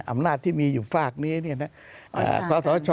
อำนาจที่มีอยู่ฝากนี้เนี้ยน่ะเนี้ย